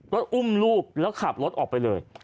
อุ้มลูกแล้วขับรถออกไปเลย